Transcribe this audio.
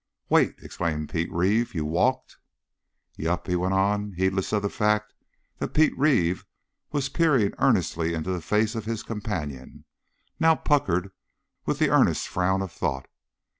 "Wait!" exclaimed Pete Reeve. "You walked?" "Yep," he went on, heedless of the fact that Pete Reeve was peering earnestly into the face of his companion, now puckered with the earnest frown of thought.